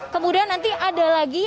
kemudian nanti ada lagi